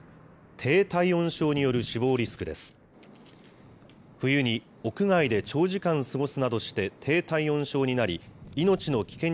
低体温症による死亡リスクです。